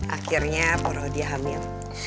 akhirnya porro dia hamil